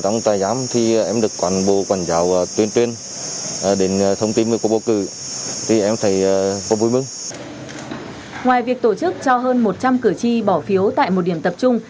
ngoài việc tổ chức cho hơn một trăm linh cử tri bỏ phiếu tại một điểm tập trung